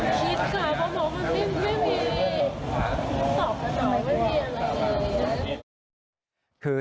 ตอบก็มีอะไร